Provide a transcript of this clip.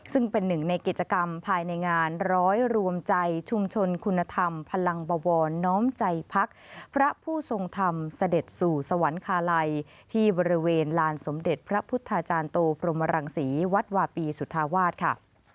ซึ่งเป็นหนึ่งในกิจกรรมภายในงานร้อยรวมใจชุมชนคุณธรรมพลังบวรน้อมใจพักพระผู้ทรงธรรมเสด็จสู่สวรรคาลัยที่บริเวณลานสมเด็จพระพุทธาจารย์โตพรหมรังศรีวัดวาปีสุธาวาสค่ะ